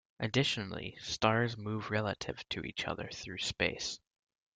Additionally, stars move relative to each other through space.